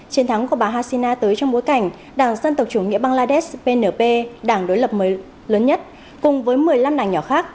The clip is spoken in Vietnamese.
chiến thắng của bà hasina tới trong bối cảnh đảng dân tộc chủ nghĩa bangladesh pnp đảng đối lập lớn nhất cùng với một mươi năm đảng nhỏ khác